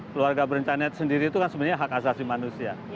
keluarga berencana sendiri itu kan sebenarnya hak asasi manusia